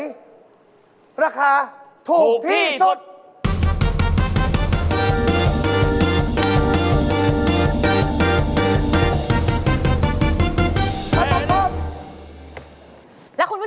อยากเติมอย่างนี้